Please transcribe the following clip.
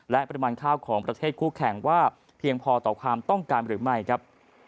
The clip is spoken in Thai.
และปริมาณข้าวของประเทศคู่แข่งว่าเพียงพอต่อความต้องการหรือไม่ครับ